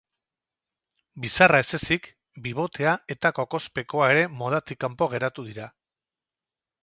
Bizarra ez ezik, bibotea eta kokospekoa ere modatik kanpo geratu dira.